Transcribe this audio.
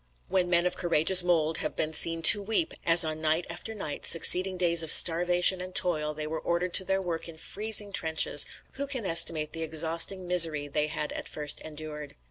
"When men of courageous mould have been seen 'to weep,' as on night after night, succeeding days of starvation and toil, they were ordered to their work in freezing trenches, who can estimate the exhausting misery they had at first endured?"